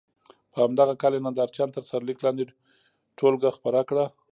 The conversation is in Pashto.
په همدغه کال یې ننداره چیان تر سرلیک لاندې ټولګه خپره کړه.